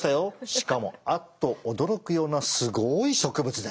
しかもあっと驚くようなすごい植物で！